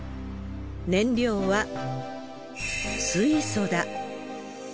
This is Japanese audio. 燃料は水素だ。